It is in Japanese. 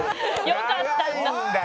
よかったんだ。